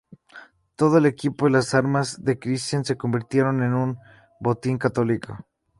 Todo el equipo y las armas de Cristián se convirtieron en un botín católico.